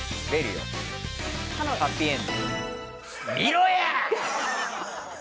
見ろや！